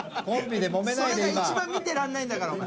それが一番見てられないんだからお前。